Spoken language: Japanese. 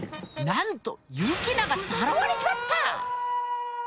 なんとユキナがさらわれちまった！